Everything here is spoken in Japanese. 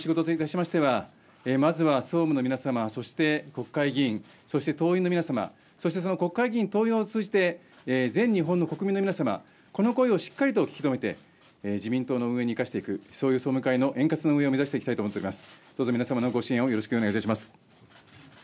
まずは総務の皆様、そして国会議員、そして党員の皆さまそしてその国会議員党員を通じて全日本の国民の皆様この声をしっかりと聞きとげて自民党の運営に生かしていくそういう総務の円滑な運営を目指していきたいと思っております。